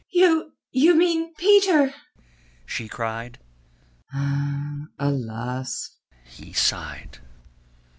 "You... you mean Peter?" she cried. "Alas!" he sighed.